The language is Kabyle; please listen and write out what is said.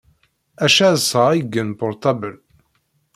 Acca ad sɣeɣ iggen portabel.